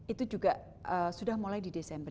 itu juga sudah mulai di desember